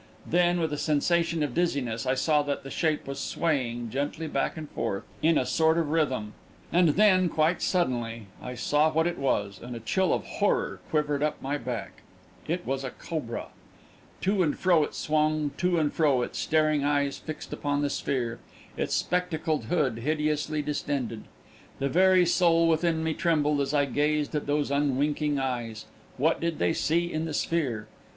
Then, with a sensation of dizziness, I saw that the shape was swaying gently back and forth, in a sort of rhythm. And then, quite suddenly, I saw what it was, and a chill of horror quivered up my back. It was a cobra. To and fro it swung, to and fro, its staring eyes fixed upon the sphere, its spectacled hood hideously distended. The very soul within me trembled as I gazed at those unwinking eyes. What did they see in the sphere?